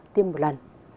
tiêm một lần